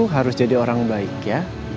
harus jadi orang baik ya